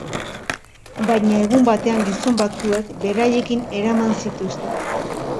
Baina egun batean, gizon batzuek beraiekin eraman zituzten.